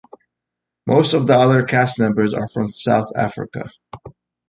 Most of the other cast members are from South Africa.